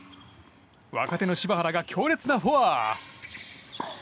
若手の柴原が強烈なフォア！